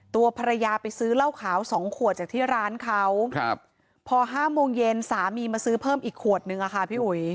ตัวภรรยาไปซื้อเหล้าขาวสองขวดจากที่ร้านเขาครับพอห้าโมงเย็นสามีมาซื้อเพิ่มอีกขวดนึงอะค่ะพี่อุ๋ย